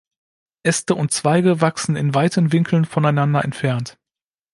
Äste und Zweige wachsen in weiten Winkeln voneinander entfernt.